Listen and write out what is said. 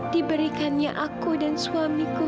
diberikannya aku dan suamiku